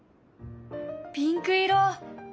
ピンク色！